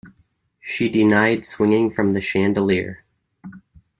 She denied swinging from the chandelier.